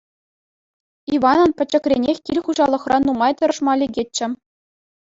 Иванӑн пӗчӗкренех кил хуҫалӑхра нумай тӑрмашма лекетчӗ.